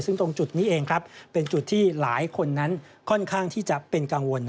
ซึ่งตรงจุดนี้เองครับเป็นจุดที่หลายคนนั้นค่อนข้างที่จะเป็นกังวล